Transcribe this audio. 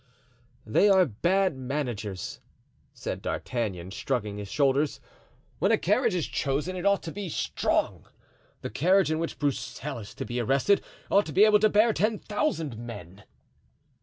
"They are bad managers," said D'Artagnan, shrugging his shoulders. "When a carriage is chosen, it ought to be strong. The carriage in which a Broussel is to be arrested ought to be able to bear ten thousand men."